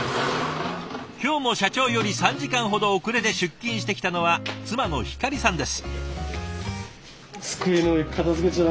今日も社長より３時間ほど遅れて出勤してきたのは妻の光さんです。